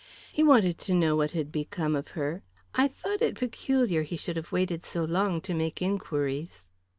"He wanted to know what had become of her. I thought it peculiar he should have waited so long to make inquiries."